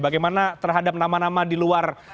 bagaimana terhadap nama nama di luar